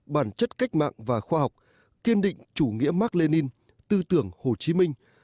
bản chất cách mạng và khoa học kiên định chủ nghĩa mark lenin tư tưởng hồ chí minh